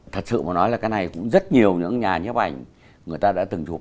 thật sự mà nói là cái này cũng rất nhiều những nhà nhấp ảnh người ta đã từng chụp